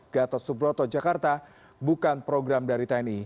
gatot subroto jakarta bukan program dari tni